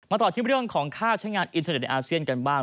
ต่อที่เรื่องของค่าใช้งานอินเทอร์เน็ตในอาเซียนกันบ้าง